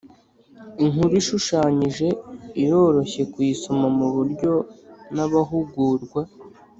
Inkuru ishushanyije iroroshye kuyisoma ku buryo n abahugurwa